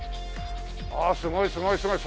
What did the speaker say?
ああすごいすごいすごい！